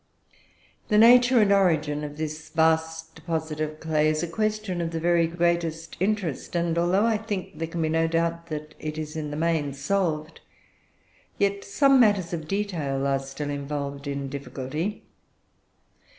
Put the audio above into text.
"The nature and origin of this vast deposit of clay is a question of the very greatest interest; and although I think there can be no doubt that it is in the main solved, yet some matters of detail are still involved in difficulty.